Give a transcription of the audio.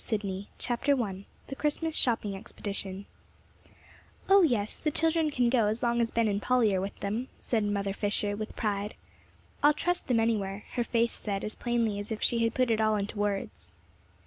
said Polly Ben Pepper I THE CHRISTMAS SHOPPING EXPEDITION "Oh, yes, the children can go as long as Ben and Polly are with them," said Mother Fisher, with pride. "I'll trust them anywhere," her face said as plainly as if she had put it all into words.